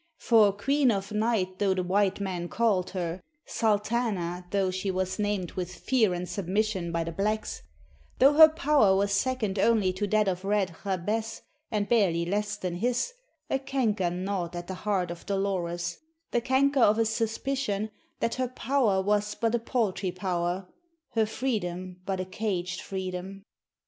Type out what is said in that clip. For Queen of Night though the white men called her, Sultana though she was named with fear and submission by the blacks, though her power was second only to that of Red Jabez, and barely less than his, a canker gnawed at the heart of Dolores, the canker of a suspicion that her power was but a paltry power, her freedom but a caged freedom.